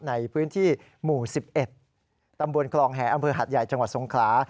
ในพื้นที่หมู่๑๑ตำบลคลองแห่อำเภอหัดใหญ่จังหวัดสงขลา